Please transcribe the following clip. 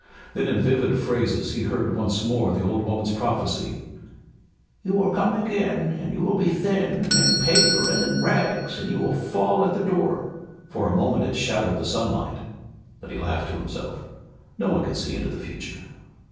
Then in vivid phrases he heard once more the old woman's prophecy: "You will come again, and you will be thin and pale and in rags, and you will fall at the door." For a moment it shadowed the sunlight. Then he laughed at himself. No one could see into the future.